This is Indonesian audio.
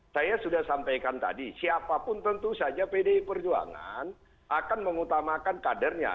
saya sudah sampaikan tadi siapapun tentu saja pdi perjuangan akan mengutamakan kadernya